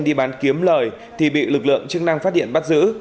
đi bán kiếm lời thì bị lực lượng chức năng phát hiện bắt giữ